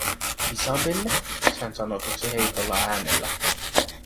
“Isabelle?”, sain sanotuksi heikolla äänellä.